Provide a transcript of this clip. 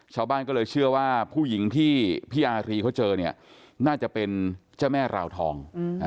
ชาวบ้านก็เลยเชื่อว่าผู้หญิงที่พี่อารีเขาเจอเนี่ยน่าจะเป็นเจ้าแม่ราวทอง